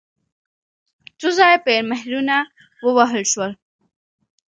څو ځایه پرې مهرونه ووهل شول.